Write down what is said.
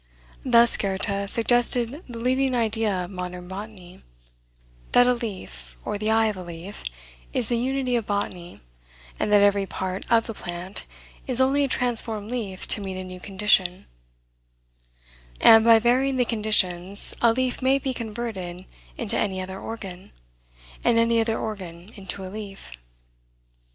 Thus Goethe suggested the leading idea of modern botany, that a leaf, or the eye of a leaf, is the unit of botany, and that every part of the plant is only a transformed leaf to meet a new condition; and, by varying the conditions, a leaf may be converted into any other organ, and any other organ into a leaf.